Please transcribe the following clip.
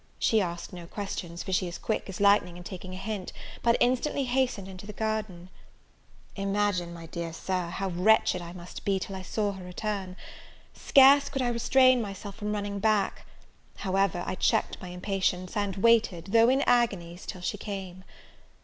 She asked no questions, for she is quick as lightening in taking a hint, but instantly hastened into the garden. Imagine, my dear Sir, how wretched I must be till I saw her return! scarce could I restrain myself from running back: however, I checked my impatience, and waited, though in agonies, till she came.